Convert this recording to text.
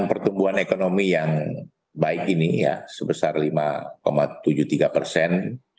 pertumbuhan ekonomi yang baik ini ya sebesar lima tujuh puluh tiga persen